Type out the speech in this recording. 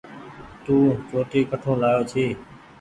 تو چوٽي ڪٺو لآيو ڇي۔